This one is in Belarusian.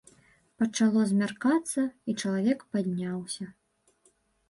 Пачало змяркацца, і чалавек падняўся.